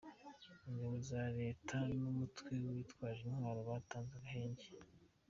Ingabo za Leta numutwe witaje intwaro batanze agahenge